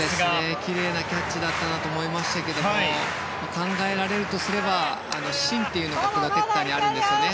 きれいなキャッチだったなと思いましたけど考えられるとすれば芯というのがプロテクターにあるんですね。